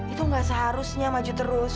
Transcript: itu nggak seharusnya maju terus